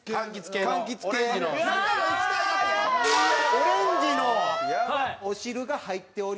オレンジのお汁が入っております。